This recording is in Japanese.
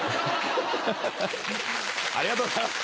ハハハありがとうございます。